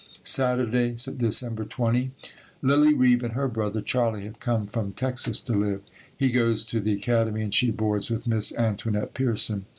Saturday, December 20. Lillie Reeve and her brother, Charlie, have come from Texas to live. He goes to the Academy and she boards with Miss Antoinette Pierson.